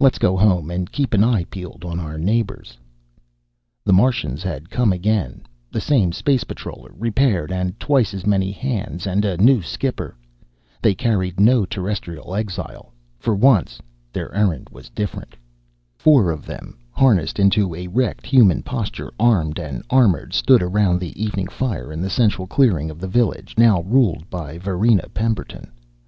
Let's go home, and keep an eye peeled on our neighbors." The Martians had come again the same space patroller, repaired, and twice as many hands and a new skipper. They carried no Terrestrial exile for once their errand was different. Four of them, harnessed into erect human posture, armed and armored, stood around the evening fire in the central clearing of the village now ruled by Varina Pemberton.